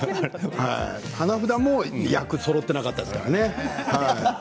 花札も役そろっていなかったからね。